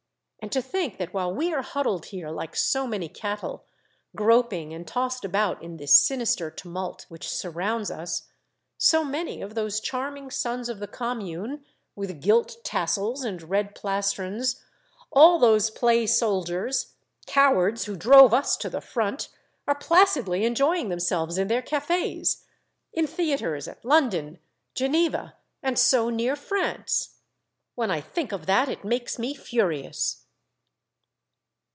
And to think that while we are huddled here like so many cattle, groping and tossed about in this sinister tumult which surrounds us, so many of those charming sons of the Commune with gilt tassels and red plastrons — all those play soldiers, cowards who drove us to the front — are placidly enjoying them selves in their caf6s, in theatres at London, Geneva, and so near France. When I think of that it makes me furious.